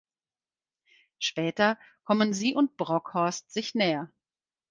Später kommen sie und Brockhorst sich näher.